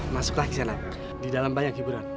masuklah kisah anak di dalam banyak hiburan